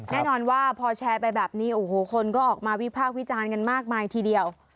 แน่นอนว่าพอแชร์ไปแบบนี้โอ้โหคนก็ออกมาวิพากษ์วิจารณ์กันมากมายทีเดียว